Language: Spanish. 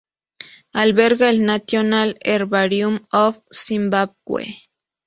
Alberga el "National Herbarium of Zimbabwe".